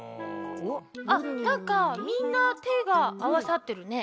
あっなんかみんなてがあわさってるね。